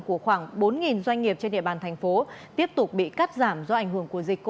của khoảng bốn doanh nghiệp trên địa bàn thành phố